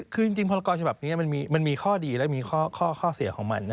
คือจริงพรกรฉบับนี้มันมีข้อดีและมีข้อเสียของมัน